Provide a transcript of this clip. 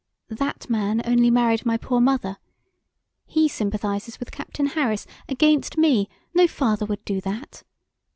That man only married my poor mother. He sympathizes with Captain Harris against me; no father would do that.